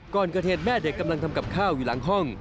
ก่อนกระเทศแม่เด็กทำกับข้าวอยู่หลังห้อง